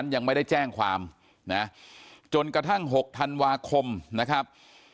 ยังไม่ได้แจ้งความนะจนกระทั่ง๖ธันวาคมนะครับ